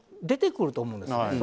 出てくると思うんですね。